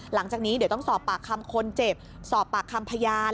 หลังจากนี้เดี๋ยวต้องสอบปากคำคนเจ็บสอบปากคำพยาน